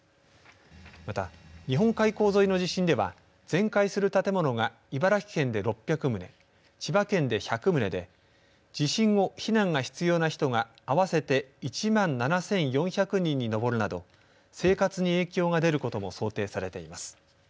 また、日本海溝沿いの地震では全壊する建物が茨城県で６００棟千葉県で１００棟で地震後、避難が必要な人が合わせて１万７４００人に上るなど生活に影響が出ることも想定されています。